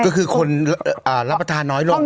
ก็คือคนรับประทานน้อยลง